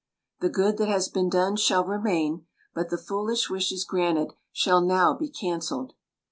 The good that has been done shall remain ; but the foolish wishes granted shall now be canceled."